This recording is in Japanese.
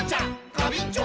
ガビンチョ！